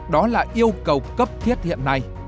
đó là yêu cầu cấp thiết hiện này